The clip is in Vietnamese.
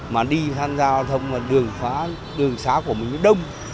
mà đi tham gia giao thông và đường xá của mình nó đông